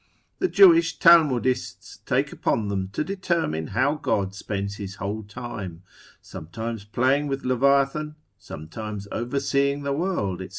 The Jewish Talmudists take upon them to determine how God spends his whole time, sometimes playing with Leviathan, sometimes overseeing the world, &c.